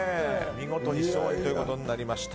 見事に勝利ということになりました。